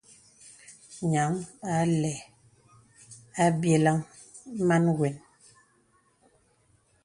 Nyaŋ a lɛ̂ àbyə̀laŋ màn wən.